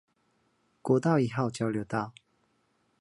國道一號交流道